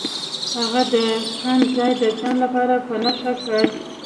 هغه د کان ځای د ځان لپاره په نښه کړ.